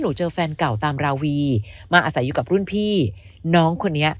เจอแฟนเก่าตามราวีมาอาศัยอยู่กับรุ่นพี่น้องคนนี้